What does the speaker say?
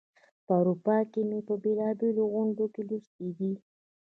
په اروپا کې مي په بېلو بېلو غونډو کې لوستې دي.